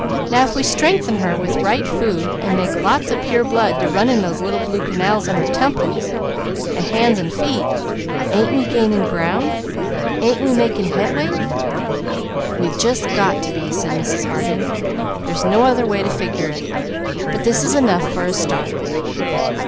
Now if we strengthen her with right food, and make lots of pure blood to run in these little blue canals on her temples, and hands and feet, ain't we gaining ground? Ain't we making headway?" "We've just got to be," said Mrs. Harding. "There's no other way to figure it. But this is enough for a start."